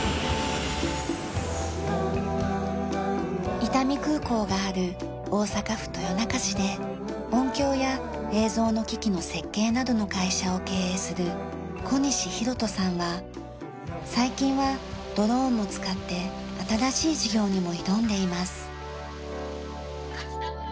伊丹空港がある大阪府豊中市で音響や映像の機器の設計などの会社を経営する小西宏人さんは最近はドローンも使って新しい事業にも挑んでいます。